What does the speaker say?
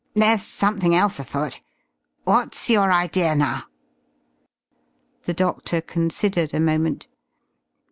There's somethin' else afoot. What's your idea, now?" The doctor considered a moment.